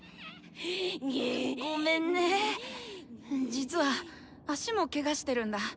実は足もケガしてるんだ。